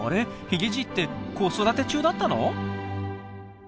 ヒゲじいって子育て中だったの？